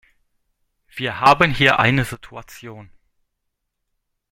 Wir haben hier eine Situation.